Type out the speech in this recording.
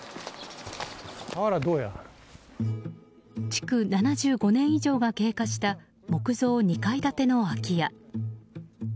築７５年以上が経過した木造２階建ての空き家。